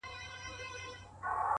• په څارل یې غلیمان په سمه غر کي ,